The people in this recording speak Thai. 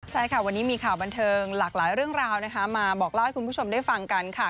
ใช่ค่ะวันนี้มีข่าวบันเทิงหลากหลายเรื่องราวนะคะมาบอกเล่าให้คุณผู้ชมได้ฟังกันค่ะ